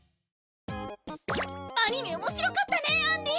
アニメ面白かったねアンディ。